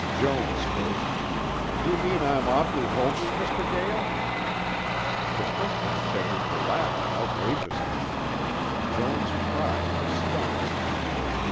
Joan spoke, "You mean I'm awful homely, Mr. Gael?" The question set him to laughing outrageously. Joan's pride was stung.